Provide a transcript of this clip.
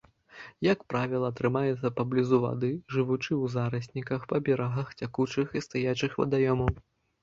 Як правіла, трымаецца паблізу вады, жывучы ў зарасніках па берагах цякучых і стаячых вадаёмаў.